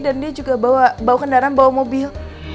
dan dia juga bawa kendaraan bawa mobil